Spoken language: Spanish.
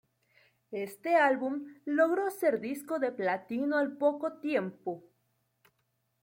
Este álbum logró ser disco de platino al poco tiempo.